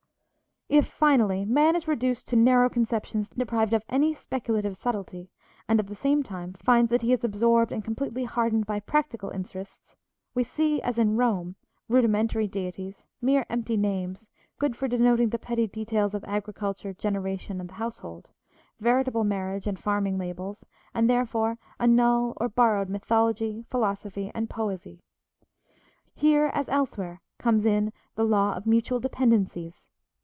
If, finally, man is reduced to narrow conceptions deprived of any speculative subtlety, and at the same time finds that he is absorbed and completely hardened by practical interests, we see, as in Rome, rudimentary deities, mere empty names, good for denoting the petty details of agriculture, generation, and the household, veritable marriage and farming labels, and, therefore, a null or borrowed mythology, philosophy, and poesy. Here, as elsewhere, comes in the law of mutual dependencies.